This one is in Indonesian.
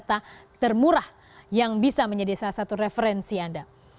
dan juga sebagai destinasi wisata termurah yang bisa menjadi salah satu referensi anda